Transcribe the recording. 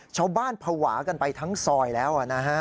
ชาวบ้านผวากันไปทั้งซอยแล้ว